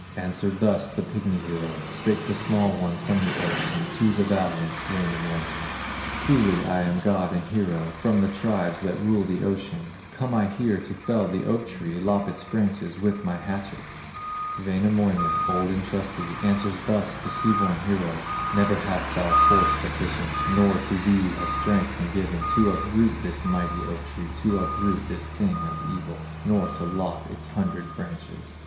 Answered thus the pigmy hero, Spake the small one from the ocean To the valiant Wainamoinen: "Truly am I god and hero, From the tribes that rule the ocean; Come I here to fell the oak tree, Lop its branches with my hatchet." Wainamoinen, old and trusty, Answers thus the sea born hero: "Never hast thou force sufficient, Not to thee has strength been given, To uproot this mighty oak tree, To upset this thing of evil, Nor to lop its hundred branches."